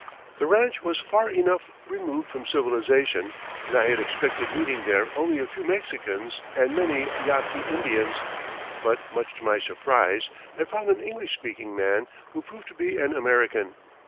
The ranch was far enough removed from civilization, and I had expected meeting there only a few Mexicans and many Yaqui Indians, but much to my surprise I found an English speaking man, who proved to be an American.